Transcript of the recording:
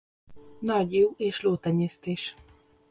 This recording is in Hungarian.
Nagy juh- és lótenyésztés.